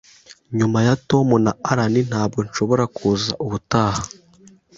nyuma ya Tom na Alan, ntabwo nshobora kuza ubutaha?